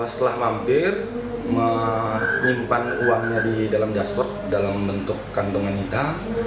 setelah mampir menyimpan uangnya di dalam jasport dalam bentuk kantongan kita